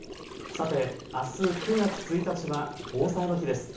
さてあす９月１日は防災の日です。